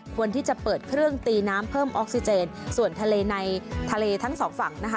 ควรที่จะเปิดเครื่องตีน้ำเพิ่มออกซิเจนส่วนทะเลในทะเลทั้งสองฝั่งนะคะ